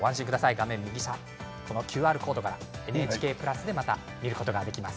画面右下のＱＲコードからＮＨＫプラスでご覧いただくことができます。